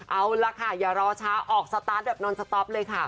เอาล่ะค่ะอย่ารอช้าออกสตาร์ทแบบนอนสต๊อปเลยค่ะ